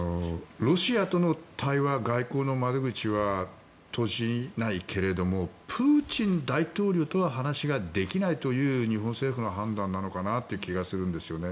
ロシアとの対話外交の窓口は閉じないけれどもプーチン大統領とは話ができないという日本政府の判断なのかなという気がするんですね。